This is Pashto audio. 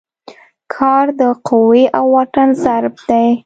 کار د قوې او واټن ضرب دی.